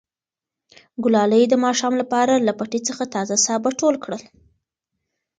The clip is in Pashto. ګلالۍ د ماښام لپاره له پټي څخه تازه سابه ټول کړل.